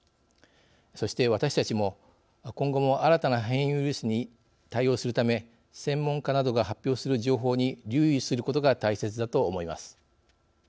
そして、私たちも今後も新たな変異ウイルスに対応するため専門家などが発表する情報に留意することが大切だと思います。